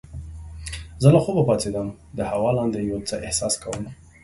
زه له خوبه پاڅیدم د هوا لاندې یو څه احساس کوم.